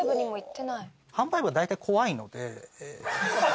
販売部は大体怖いので。